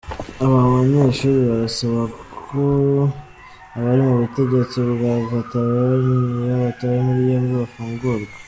Aba banyeshuri barasaba ko abari mu butegetsi bwa Catalonia batawe muri yombi bafungurwa.